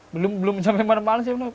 belum sampe mana mana sih